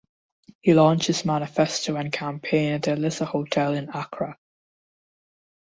He launched his manifesto and campaign at the Alisa Hotel in Accra.